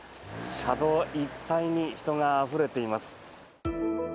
車道いっぱいに人があふれています。